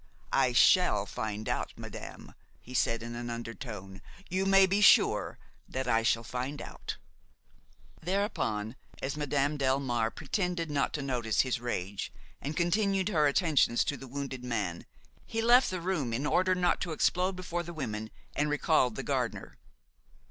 "I shall find out, madame," he said in an undertone; "you may be sure that I shall find out." Thereupon, as Madame Delmare pretended not to notice his rage and continued her attentions to the wounded man, he left the room, in order not to explode before the women, and recalled the gardener.